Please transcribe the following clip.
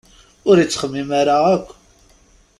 Ur ittxemmim ara akk!